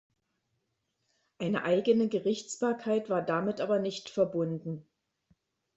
Eine eigene Gerichtsbarkeit war damit aber nicht verbunden.